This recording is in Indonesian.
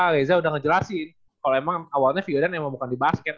reza udah ngejelasin kalau emang awalnya vio dan emang bukan di basket